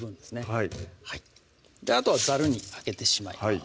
はいあとはザルにあげてしまいます